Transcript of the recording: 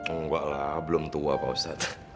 enggak lah belum tua pak ustadz